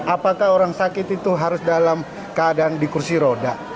apakah orang sakit itu harus dalam keadaan di kursi roda